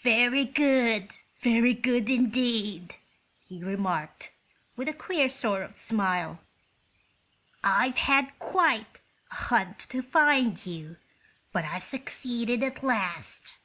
"Very good; very good, indeed!" he remarked, with a queer sort of smile. "I've had quite a hunt to find you, but I've succeeded at last."